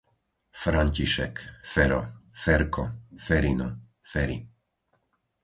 František, Fero, Ferko, Ferino, Feri